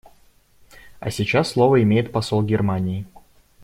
А сейчас слово имеет посол Германии.